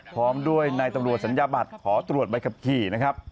พร้อมด้วยในตำรวจสัญญาบัตรขอตรวจใบขับขี่นะครับ